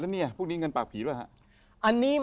แล้วเนี่ยพวกนี้เงินปากผีหรือเปล่าครับ